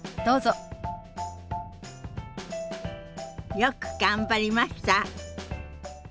よく頑張りました。